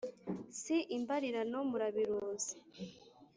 Si imbarirano murabiruzi.